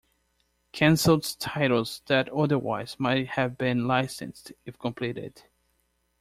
Cancelled titles that otherwise might have been licensed if completed.